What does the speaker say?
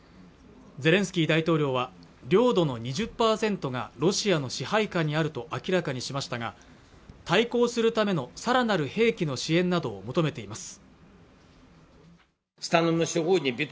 ゼレンスキー大統領は領土の２０％がロシアの支配下にあると明らかにしましたが対抗するためのさらなる兵器の支援などを求めています